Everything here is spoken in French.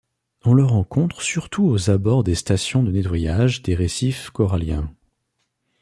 On le rencontre surtout aux abords des stations de nettoyage des récifs coralliens.